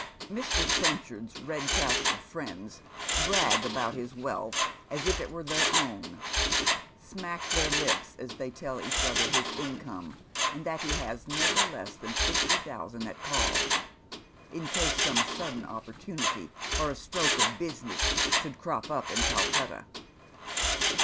Mr. Trenchard's Piedcastle fi'iends brag about his vvealth as if it were their own, smack their lips as they tell each otlier his income, and that he has never less than fifty thousand at call, in case some sudden opportunity for a stroke of business fihould crop up in Calcutta.